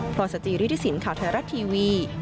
พรสจิริฐศิลป์ข่าวไทยรัฐทีวี